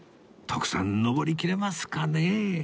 徳さん上りきれますかね？